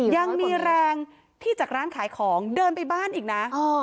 ยังมีแรงที่จากร้านขายของเดินไปบ้านอีกนะ